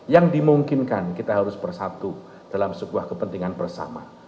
yang dimungkinkan kita harus bersatu dalam sebuah kepentingan bersama